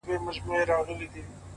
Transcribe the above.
هم دي ښاد وي هم آزاد